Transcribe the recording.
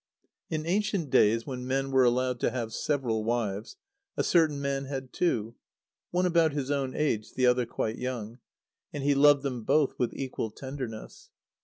_ In ancient days, when men were allowed to have several wives, a certain man had two one about his own age, the other quite young, and he loved them both with equal tenderness.